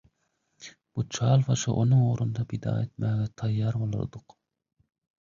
bu çal başy onuň ugrunda pida etmäge taýýar bolardyk.